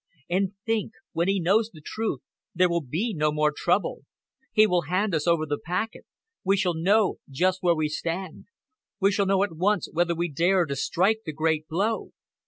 And think! When he knows the truth, there will be no more trouble. He will hand us over the packet. We shall know just where we stand. We shall know at once whether we dare to strike the great blow."